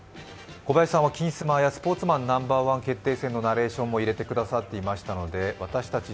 小林さんは「金スマ」や「スポーツマンＮｏ．１決定戦」のナレーションも入れてくださっていましたので私たち